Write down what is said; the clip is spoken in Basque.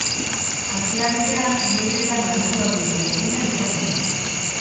Asteartea dietetan adituak direnen eguna izan ohi da.